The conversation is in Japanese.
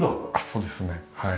そうですねはい。